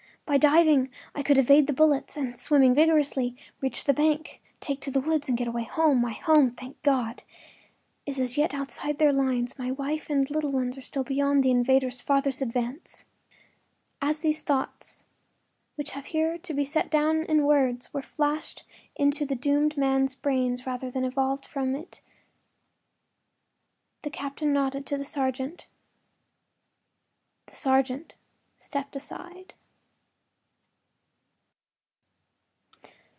By diving I could evade the bullets and, swimming vigorously, reach the bank, take to the woods and get away home. My home, thank God, is as yet outside their lines; my wife and little ones are still beyond the invader’s farthest advance.” As these thoughts, which have here to be set down in words, were flashed into the doomed man’s brain rather than evolved from it the captain nodded to the sergeant. The sergeant stepped aside.